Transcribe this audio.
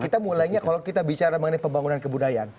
kita mulainya kalau kita bicara mengenai pembangunan kebudayaan